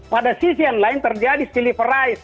pada sisi yang lain terjadi sillivery